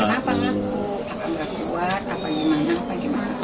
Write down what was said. kenapa ngaku apa yang aku buat apa yang mana apa yang mana